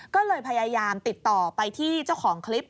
ก็เลยพยายามติดต่อไปที่เจ้าของคลิป